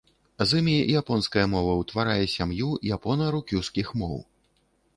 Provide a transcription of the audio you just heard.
З імі японская мова ўтварае сям'ю япона-рукюскіх моў.